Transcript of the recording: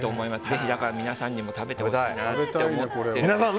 ぜひ、皆さんにも食べてほしいなと思っています。